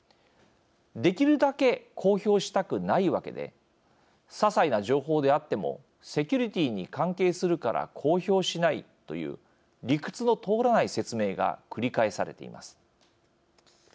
できるだけ公表したくないわけでささいな情報であってもセキュリティーに関係するから公表しないという理屈の通らない説明が繰り返されています。